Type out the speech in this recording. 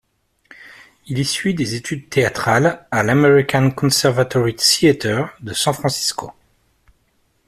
Il y suit des études théâtrales à l'American Conservatory Theater de San Francisco.